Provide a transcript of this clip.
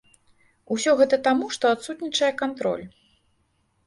Усё гэта таму, што адсутнічае кантроль.